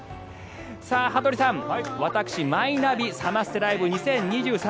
羽鳥さん、私マイナビサマステライブ２０２３